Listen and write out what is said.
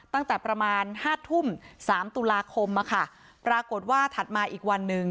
ตั้งแต่ประมาณห้าทุ่มสามตุลาคมอะค่ะปรากฏว่าถัดมาอีกวันหนึ่ง